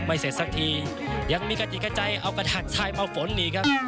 เสร็จสักทียังมีกระจิกกระใจเอากระถาดชายมาฝนหนีครับ